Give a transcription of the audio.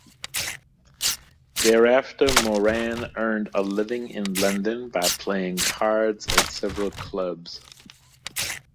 Thereafter Moran earned a living in London by playing cards at several clubs.